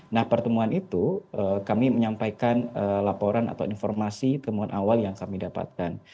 nah pertemuan itu kami menyampaikan laporan atau informasi temuan awal yang kami dapatkan